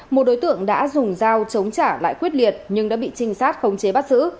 một đối tượng đã dùng dao chống trả lại quyết liệt nhưng đã bị trinh sát khống chế bắt giữ